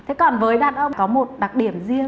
thế còn với đàn ông có một đặc điểm riêng